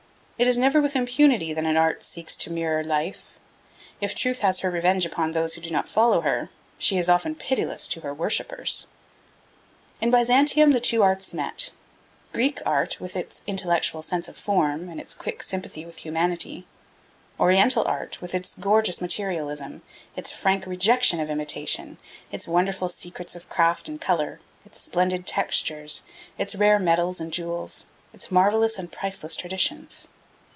It is never with impunity that an art seeks to mirror life. If Truth has her revenge upon those who do not follow her, she is often pitiless to her worshippers. In Byzantium the two arts met Greek art, with its intellectual sense of form, and its quick sympathy with humanity; Oriental art, with its gorgeous materialism, its frank rejection of imitation, its wonderful secrets of craft and colour, its splendid textures, its rare metals and jewels, its marvellous and priceless traditions.